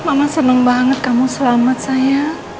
mama seneng banget kamu selamat sayang